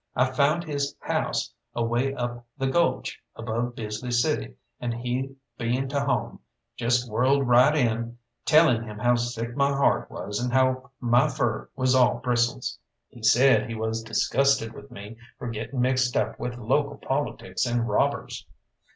I found his house away up the gulch, above Bisley City, and he being to home, just whirled right in, telling him how sick my heart was, and how my fur was all bristles. He said he was disgusted with me for getting mixed up with local politics and robbers.